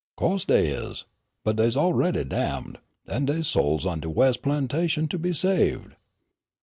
"Cose dey is, but dey's already damned; but dey's souls on de wes' plantation to be saved."